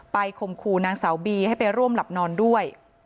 ข่มขู่นางสาวบีให้ไปร่วมหลับนอนด้วย